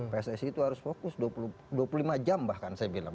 pssi itu harus fokus dua puluh lima jam bahkan saya bilang